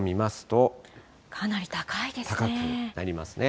かなり高いですね。